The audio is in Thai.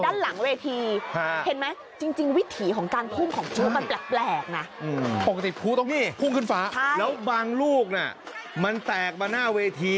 นี่เอาจริงคุณผู้ชมหน้าเวทีกับด้านหลังเวที